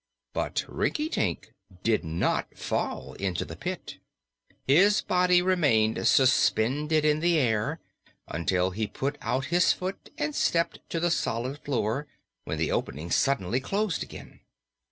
But Rinkitink did not fall into the pit; his body remained suspended in the air until he put out his foot and stepped to the solid floor, when the opening suddenly closed again.